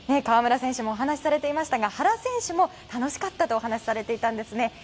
川村選手もお話しされていましたが原選手も楽しかったとお話しされていたんですね。